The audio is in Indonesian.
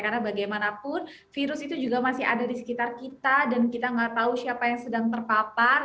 karena bagaimanapun virus itu juga masih ada di sekitar kita dan kita gak tahu siapa yang sedang terpapar